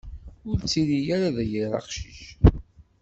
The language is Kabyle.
Ur ttili ara d yir aqcic.